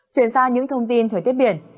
chuyển sang những thông tin thời tiết biển